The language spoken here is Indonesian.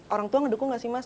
orang tua ngedukung gak sih mas